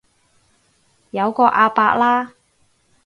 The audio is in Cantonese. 有個阿伯啦